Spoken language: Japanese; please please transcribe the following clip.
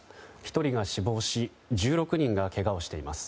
１人が死亡し１６人がけがをしています。